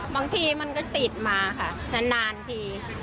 บางทีมันก็ติดมาค่ะนานที